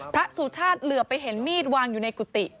สุชาติเหลือไปเห็นมีดวางอยู่ในกุฏิ